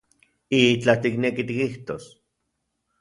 ¿Itlaj tikneki tikijtos?